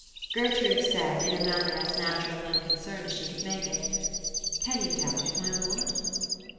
Gertrude said, in a manner as natural and unconeemed as she oould :e ic Caa you doubt it. my lord